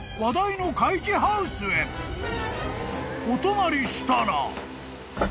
［お泊まりしたら］